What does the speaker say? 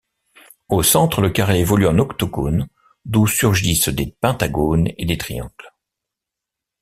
Au centre, le carré évolue en octogone d'où surgissent des pentagones et des triangles.